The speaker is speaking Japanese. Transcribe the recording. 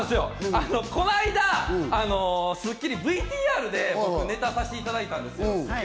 この間、『スッキリ』、ＶＴＲで僕、ネタをさせていただいたんですよ。